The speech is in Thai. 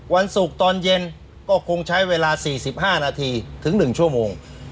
วันศุกร์ตอนเย็นก็คงใช้เวลาสี่สิบห้านาทีถึงหนึ่งชั่วโมง